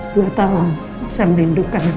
dua tahun saya melindungi anak saya